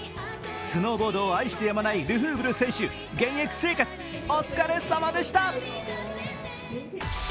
スノーボードを愛してやまないルフーブル選手、現役生活、お疲れさまでした。